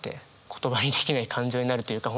言葉にできない感情になるというか